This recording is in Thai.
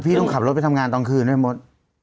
ต้องขับรถไปทำงานตอนคืนด้วยมด